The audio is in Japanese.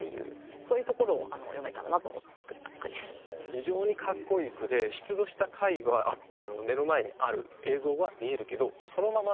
非常にかっこいい句で出土した貝が目の前にある映像は見えるけどそのまま